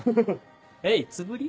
えっいつぶり？